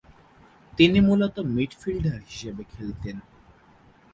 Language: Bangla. তিনি মূলত মিডফিল্ডার হিসেবে খেলতেন।